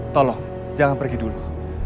tolong jangan pergi dulu